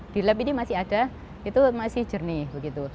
di lab ini masih ada itu masih jernih begitu